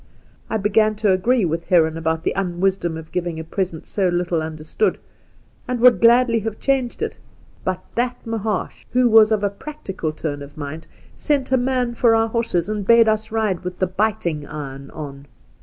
I began to agree with Heron about the unwisdom of giving a present so little under stood, and would gladly have changed it, but that Mahaash — who was of a practical turn of mind — sent a man for our horses, and bade us ride with the " biting iron " on.